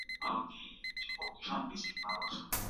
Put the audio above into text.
خپله عقيده د عقل په رڼا کي عياره کړئ.